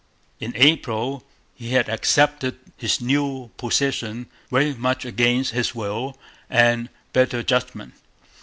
In April he had accepted his new position very much against his will and better judgment.